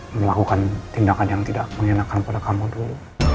melakukan tindakan yang tidak mengenakan pada kamu dulu